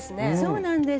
そうなんです。